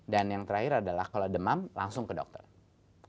dan yang terakhir adalah kalau demam langsung ke dokter